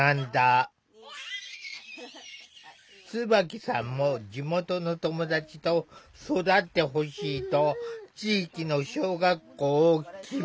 椿さんも地元の友達と育ってほしいと地域の小学校を希望した。